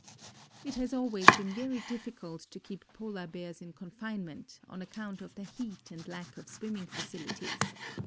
It has always been very difficult to keep Polar Bears in confinement, on account of the heat and lack of swimming facilities.